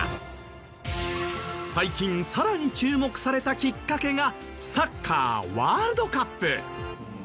最近さらに注目されたきっかけがサッカーワールドカップ。